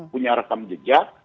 punya rekam jejak